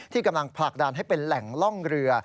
กำลังผลักดันให้เป็นแหล่งล่องเรือ